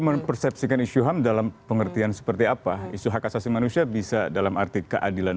mempersepsikan isu ham dalam pengertian seperti apa isu hak asasi manusia bisa dalam arti keadilan